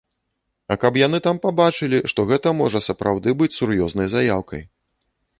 А каб яны там пабачылі, што гэта можа сапраўды быць сур'ёзнай заяўкай.